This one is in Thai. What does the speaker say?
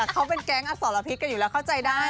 เขาเป็นแก๊งอสรพิษกันอยู่แล้วเข้าใจได้